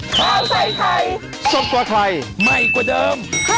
โปรดติดตามตอนต่อไป